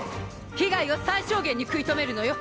被害を最小限に食い止めるのよ！